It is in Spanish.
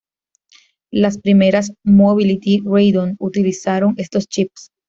Las primeras "Mobility Radeon" utilizaron estos chips.